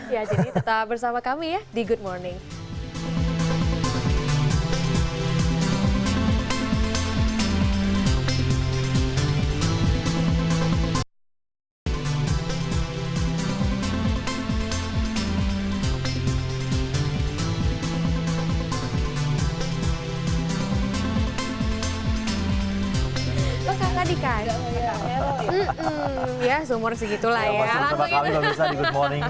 ya jadi tetap bersama kami ya di good morning